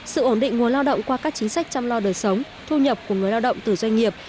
sự ổn định nguồn lao động qua các chính sách chăm lo đời sống thu nhập của người lao động từ doanh nghiệp